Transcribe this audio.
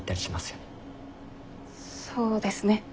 そうですね。